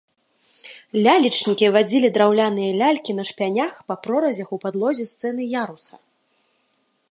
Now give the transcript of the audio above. Лялечнікі вадзілі драўляныя лялькі на шпянях па проразях у падлозе сцэны-яруса.